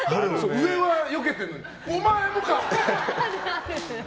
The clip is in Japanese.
上はよけてるのにお前もか！